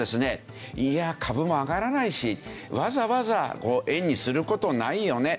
「いや株も上がらないしわざわざ円にする事ないよね」